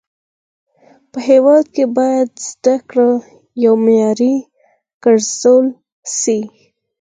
په هيواد کي باید زده کړه يو معيار و ګرځول سي.